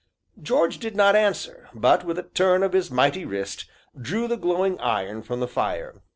George did not answer, but, with a turn of his mighty wrist, drew the glowing iron from the fire.